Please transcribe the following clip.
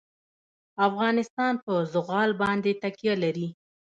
افغانستان په زغال باندې تکیه لري.